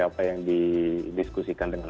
apa yang didiskusikan dengan